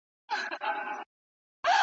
دغه زما توپاني قام دی ,